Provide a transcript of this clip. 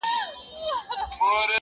هر څه منم پر شخصيت باندي تېرى نه منم ـ